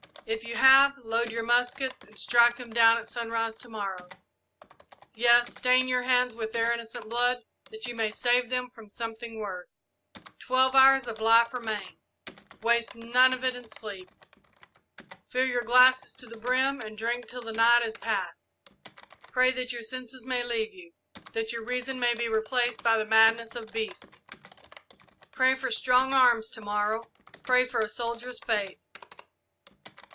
If you have, load your muskets and strike them down at sunrise to morrow, yes, stain your hands with their innocent blood that you may save them from something worse. Twelve hours of life remains waste none of it in sleep! Fill your glasses to the brim and drink till the night is past. Pray that your senses may leave you that your reason may be replaced by the madness of beasts! Pray for strong arms to morrow pray for a soldier's fate!